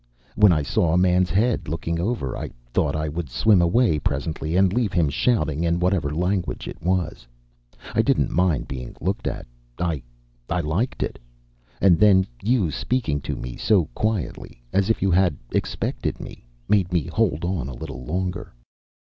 When I saw a man's head looking over I thought I would swim away presently and leave him shouting in whatever language it was. I didn't mind being looked at. I I liked it. And then you speaking to me so quietly as if you had expected me made me hold on a little longer.